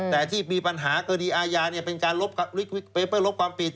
แต่ที่มีปัญหากรณีอาญาเป็นการเพื่อลบความผิด